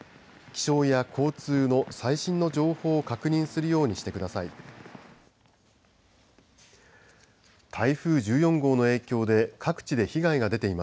気象や交通の最新の情報を確認するようにしてください。